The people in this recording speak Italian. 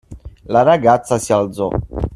La ragazza si alzò.